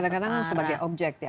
dan kadang kadang sebagai objek ya